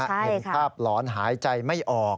เห็นภาพหลอนหายใจไม่ออก